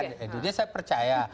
jadi saya percaya